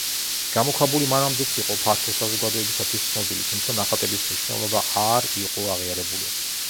გამოქვაბული მანამდეც იყო ფართო საზოგადოებისთვის ცნობილი, თუმცა ნახატების მნიშვნელობა არ იყო აღიარებული.